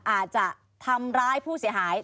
อาจจะทำร้ายผู้เสียหาย